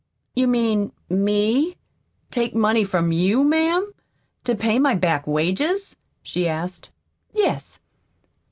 "You mean ME take money from you, ma'am, to pay my back wages?" she asked. "Yes."